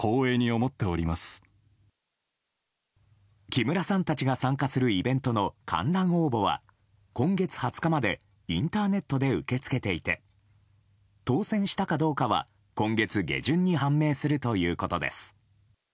木村さんたちが参加するイベントの観覧応募は今月２０日までインターネットで受け付けていて当選したかどうかは今月下旬に判明するということです。